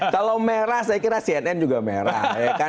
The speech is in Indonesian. kalau merah saya kira cnn juga merah